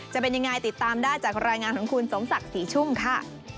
จะเป็นยังไงติดตามได้จากรายงานของคุณสมศักดิ์ศรีชุ่มค่ะ